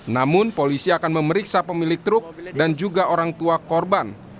namun polisi akan memeriksa pemilik truk dan juga orang tua korban